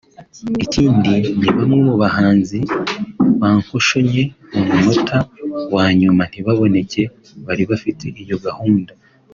I kindi ni bamwe mu bahanzi bankoshonnye ku munota wa nyuma ntibaboneke bari bafite iyo gahunda